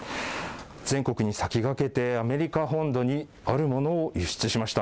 全国に先駆けてアメリカ本土にあるものを輸出しました。